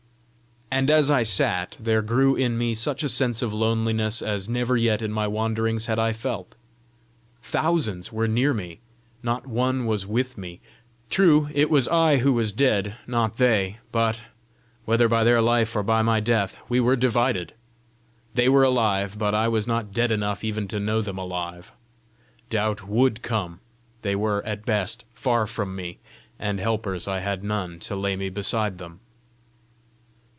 And as I sat, there grew in me such a sense of loneliness as never yet in my wanderings had I felt. Thousands were near me, not one was with me! True, it was I who was dead, not they; but, whether by their life or by my death, we were divided! They were alive, but I was not dead enough even to know them alive: doubt WOULD come. They were, at best, far from me, and helpers I had none to lay me beside them!